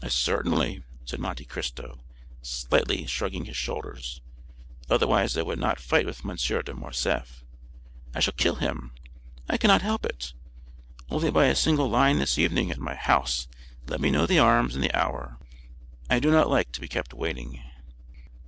"Certainly," said Monte Cristo, slightly shrugging his shoulders; "otherwise I would not fight with M. de Morcerf. I shall kill him—I cannot help it. Only by a single line this evening at my house let me know the arms and the hour; I do not like to be kept waiting."